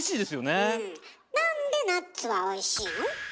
なんでナッツはおいしいの？